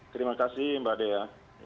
terima kasih mbak dea